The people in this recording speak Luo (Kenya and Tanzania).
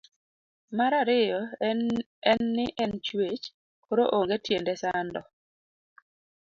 Mar ariyo en ni en chwech koro onge tiende sando